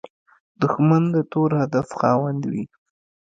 دښمن د تور هدف خاوند وي